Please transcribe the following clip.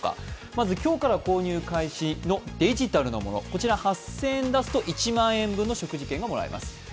まず今日から購入開始のデジタルのもの、こちら８０００円出すと１万円分の食事券をもらえます。